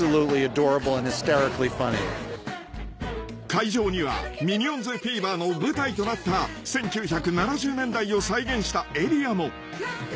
［会場には『ミニオンズフィーバー』の舞台となった１９７０年代を再現したエリアも］